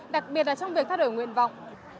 đặc biệt là trong việc thay đổi nguyện vọng